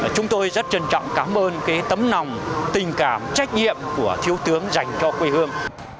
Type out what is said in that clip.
chúng tôi rất trân trọng cảm ơn tấm nòng tình cảm trách nhiệm của thiêu tướng dành cho quỹ hương